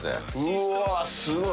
うわすごい！